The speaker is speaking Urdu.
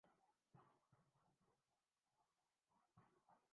ایک پیش رفت اور ہے جس کا ایک مظہر پی ٹی ایم ہے۔